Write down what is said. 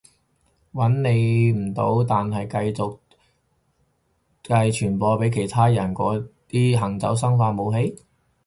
搵你唔到但係繼續傳播畀其他人嗰啲行走生化武器？